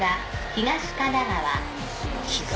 東神奈川。